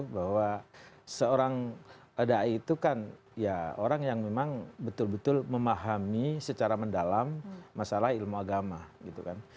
bahwa seorang dai itu kan ya orang yang memang betul betul memahami secara mendalam masalah ilmu agama gitu kan